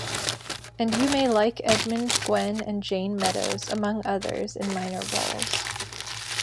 And you may like Edmund Gwenn and Jayne Meadows, among others, in minor roles.